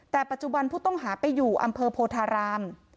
แต่ปัจจุบันผู้ต้องหาไปอยู่อำเภอโพธาราม